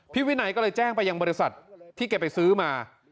วินัยก็เลยแจ้งไปยังบริษัทที่แกไปซื้อมา